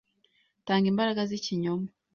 Tanga imbaraga z'ikinyoma.